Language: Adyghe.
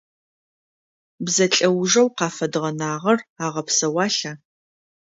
Бзэ лӏэужэу къафэдгъэнагъэр агъэпсэуалъа?